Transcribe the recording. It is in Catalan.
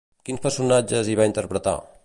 Quins personatges hi va interpretar?